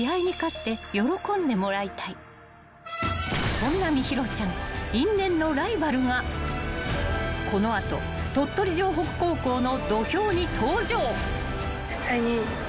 ［そんな心優ちゃん因縁のライバルがこの後鳥取城北高校の土俵に登場］